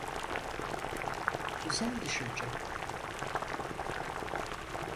Güzel düşünce.